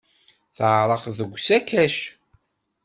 Teɛreq deg usakac.